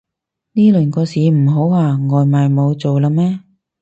呢輪個市唔好啊？外賣冇做喇咩